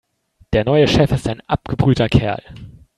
Der neue Chef ist ein abgebrühter Kerl.